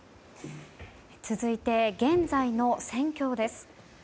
続いて、現在の戦況です。